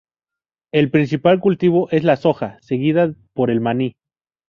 El principal cultivo es la soja seguida por el maní.